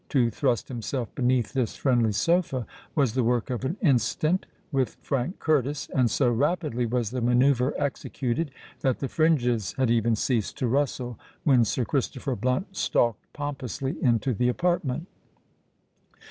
To thrust himself beneath this friendly sofa was the work of an instant with Frank Curtis; and so rapidly was the manœuvre executed, that the fringes had even ceased to rustle, when Sir Christopher Blunt stalked pompously into the apartment.